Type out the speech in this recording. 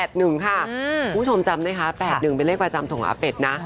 คุณผู้ชมจำไหมคะ๘๑เป็นเลขประจำของอาเป็ดนะ